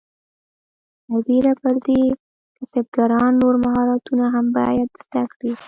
سربیره پر دې کسبګران نور مهارتونه هم باید زده کړي.